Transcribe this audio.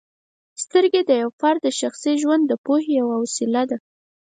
سترګې د یو فرد د شخصي ژوند د پوهې یوه وسیله ده.